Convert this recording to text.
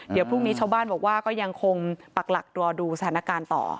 เดี๋ยวพรุ่งนี้ชาวบ้านบอกว่าก็ยังคงปักหลักรอดูสถานการณ์ต่อ